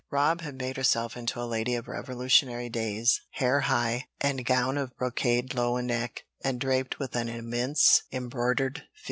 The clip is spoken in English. Rob had made herself into a lady of Revolutionary days, hair high, and gown of brocade low in neck, and draped with an immense embroidered fichu.